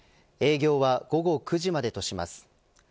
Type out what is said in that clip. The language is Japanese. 営業は午後９時までとします。